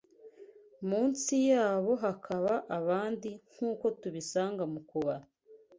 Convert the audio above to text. munsi yabo hakaba abandi nk’uko tubisanga mu Kubara